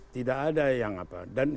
tidak ada yang apa